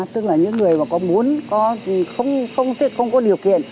tức là những người mà có muốn không có điều kiện